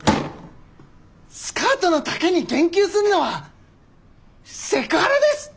スカートの丈に言及するのはセクハラです！